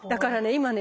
今ね